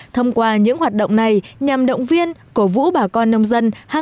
thông qua những hoạt động này nhằm động viên cổ vũ bà con nông dân